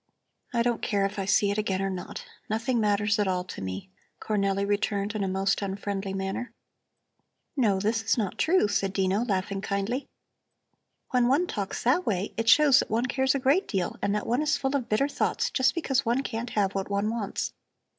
"I don't care if I see it again or not. Nothing matters at all to me," Cornelli returned in a most unfriendly manner. "No, this is not true," said Dino, laughing kindly. "When one talks that way it shows that one cares a great deal and that one is full of bitter thoughts, just because one can't have what one wants.